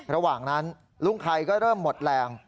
ระหว่างนั้นลุงไข่ก็เริ่มหมดแรง